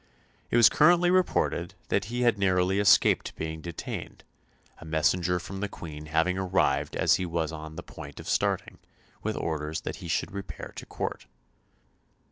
It was currently reported that he had narrowly escaped being detained, a messenger from the Queen having arrived as he was on the point of starting, with orders that he should repair to Court.